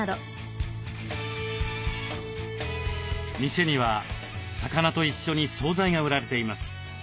店には魚と一緒に総菜が売られています。